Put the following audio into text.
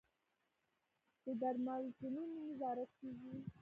د درملتونونو نظارت کیږي؟